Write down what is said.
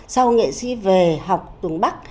sau nghệ sĩ về học tuồng bắc